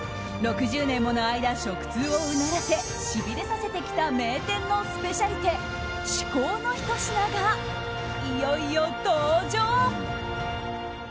６０年もの間、食通をうならせしびれさせてきた名店のスペシャリテ至高のひと品が、いよいよ登場。